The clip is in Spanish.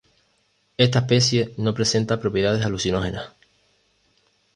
Esta especie no presenta propiedades alucinógenas.